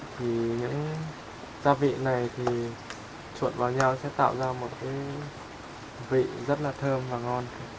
thì những gia vị này thì chuột vào nhau sẽ tạo ra một vị rất là thơm và ngon